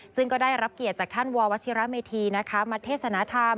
ซึ่งก็ได้รับเกียรติจากท่านววชิระเมธีมาเทศนธรรม